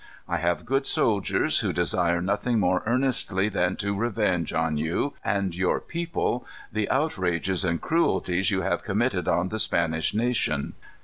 I have good soldiers, who desire nothing more earnestly than to revenge on you, and your people, the outrages and cruelties you have committed on the Spanish nation."